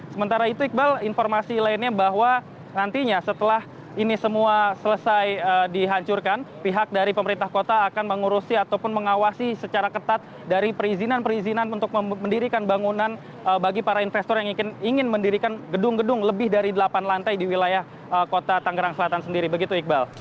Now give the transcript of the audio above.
sementara itu iqbal informasi lainnya bahwa nantinya setelah ini semua selesai dihancurkan pihak dari pemerintah kota akan mengurusi ataupun mengawasi secara ketat dari perizinan perizinan untuk mendirikan bangunan bagi para investor yang ingin mendirikan gedung gedung lebih dari delapan lantai di wilayah kota tanggerang selatan sendiri begitu iqbal